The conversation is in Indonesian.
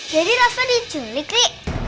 jadi rasa diculik li